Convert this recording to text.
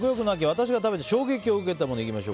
私が食べて衝撃を受けたものです。